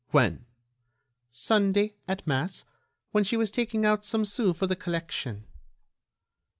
"When?" "Sunday, at mass, when she was taking out some sous for the collection."